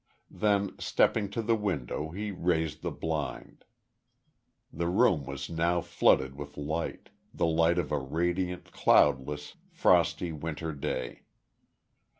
Then stepping to the window, he raised the blind. The room was now flooded with light the light of a radiant, cloudless, frosty winter day.